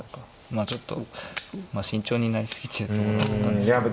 まあちょっと慎重になり過ぎてると思ったんですけど。